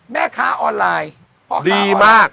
แม่ค้าออนไลน์ดีมาก